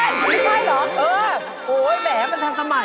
ไม่ใช่เหรอใช่เออโอ๊ยแหมมันทันสมัย